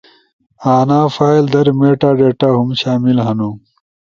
انا فائل در میٹا ڈیٹا ہُم شامل ہنو